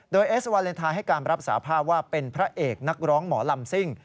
โดยเอสวาเลนไทยให้การรับสาภาพว่าเป็นพระเอกนักร้องหมอลำซิ่ง